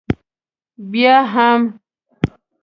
بیا هم.